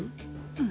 うん。